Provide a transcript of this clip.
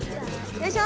よいしょ！